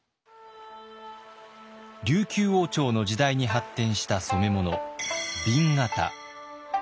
琉球王朝の時代に発展した染物紅型。